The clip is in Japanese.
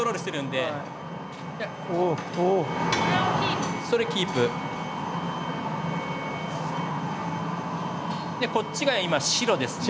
でこっちが今白ですね。